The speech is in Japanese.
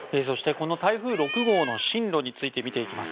この台風６号の進路について見ていきます。